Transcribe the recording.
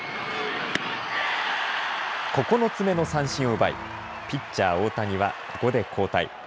９つ目の三振を奪い、ピッチャー、大谷はここで交代。